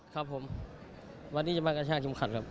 ครับผมวันนี้จะมากระชากเข็มขัดครับ